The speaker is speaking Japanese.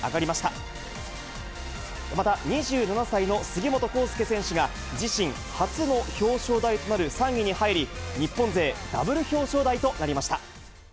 また２７歳の杉本幸祐選手が、自身初の表彰台となる３位に入り、日本勢ダブル表彰台となりました。